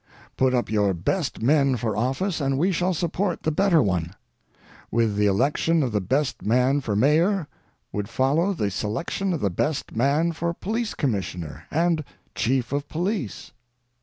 Put up your best men for office, and we shall support the better one. With the election of the best man for Mayor would follow the selection of the best man for Police Commissioner and Chief of Police.